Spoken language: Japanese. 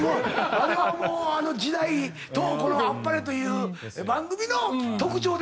あれはもう時代とこの『あっぱれ』という番組の特徴ですから。